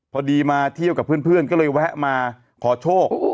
พอดีมาเที่ยวกับเพื่อนก็เลยแวะมาขอโชค